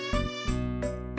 karena dibut gede